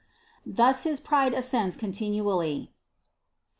Thus his pride ascends continually (Ps.